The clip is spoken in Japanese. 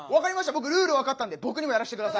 僕ルール分かったんで僕にもやらしてください。